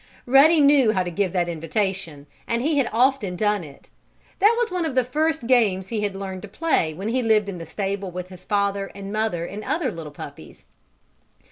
Ruddy knew how to give that invitation, and he had often done it. That was one of the first games he had learned to play when he lived in the stable with his father and mother and the other little puppies.